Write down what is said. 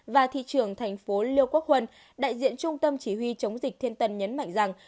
và thị trường tp liêu quốc huân đại diện trung tâm chỉ huy chống dịch thiên tân nhấn mạnh rằng